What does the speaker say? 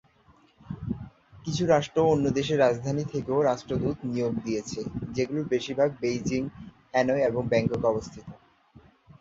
কিছু রাষ্ট্র অন্য দেশের রাজধানী থেকেও রাষ্ট্রদূত নিয়োগ দিয়েছে, যেগুলোর বেশীরভাগ বেইজিং, হ্যানয় এবং ব্যাংককে অবস্থিত।